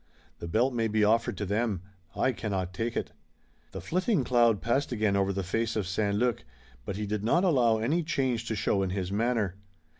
The belt may be offered to them. I cannot take it." The flitting cloud passed again over the face of St. Luc, but he did not allow any change to show in his manner.